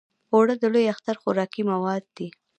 اوړه د لوی اختر خوراکي مواد دي